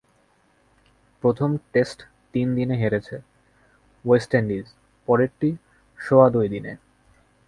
প্রথম টেস্ট তিন দিনে হেরেছে ওয়েস্ট ইন্ডিজ, পরেরটি সোয়া দুই দিনে।